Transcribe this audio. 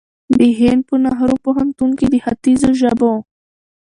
د هند په نهرو پوهنتون کې د خیتځو ژبو